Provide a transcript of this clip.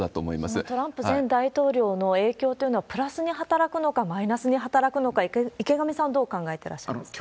そのトランプ前大統領の影響というのはプラスに働くのか、まいなすにはたらくのか池上さん、どう考えておられますか？